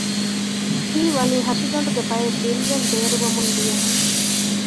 ހީވަނީ ހަށިގަނޑުގެ ބައެއް ވިރިގެން ބޭރުވަމުން ދިޔަހެން